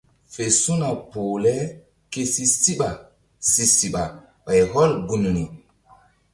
WF su̧na poh le ké si síɓa si siɓa ɓay hɔl gunri.